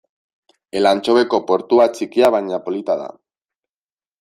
Elantxobeko portua txikia baina polita da.